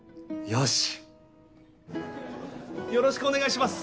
よろしくお願いします